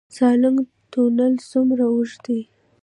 سالنګ تونل څومره اوږد دی؟